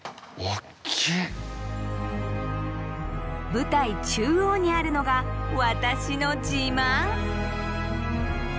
舞台中央にあるのが私の自慢！